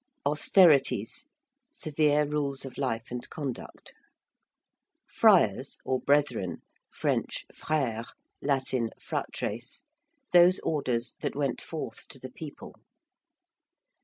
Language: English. ~austerities~: severe rules of life and conduct. ~Friars~, or brethren (French frères, Latin fratres): those orders that went forth to the people.